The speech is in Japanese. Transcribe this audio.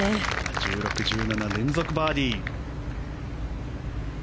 １６、１７連続バーディー。